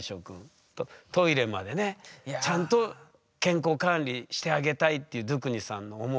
トイレまでねちゃんと健康管理してあげたいっていうドゥクニさんの思い。